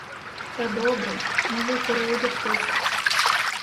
Та добре, можу й переодягтися.